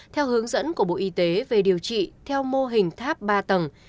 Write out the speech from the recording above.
theo hướng dẫn của bộ y tế về điều trị theo mô hình tháp ba tầng